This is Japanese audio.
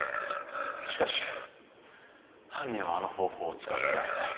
しかし犯人はあの方法を使ってはいない。